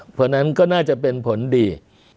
เพราะฉะนั้นก็น่าจะเป็นผลดี